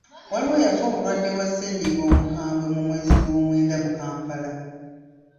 Waaliwo eyafa obulwadde bwa ssennyiga omukambwe mu mwezi gwomwenda mu Kampala.